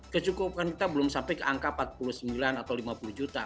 kecukupan kita belum sampai ke angka empat puluh sembilan atau lima puluh juta